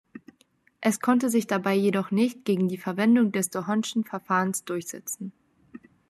Es konnte sich dabei jedoch nicht gegen die Verwendung des D’Hondtschen Verfahrens durchsetzen.